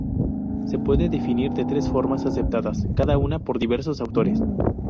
Se puede definir de tres formas, aceptadas cada una por diversos autores.